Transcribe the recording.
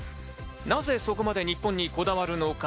なぜそこまで日本にこだわるのか。